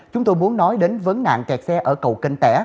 chúng tôi muốn nói đến vấn nạn kẹt xe ở cầu kênh tẻ